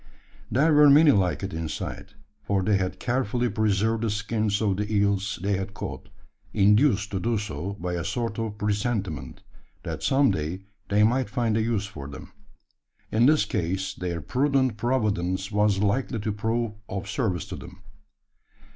There were many like it inside: for they had carefully preserved the skins of the eels they had caught, induced to do so by a sort of presentiment, that some day they might find a use for them. In this case their prudent providence was likely to prove of service to them.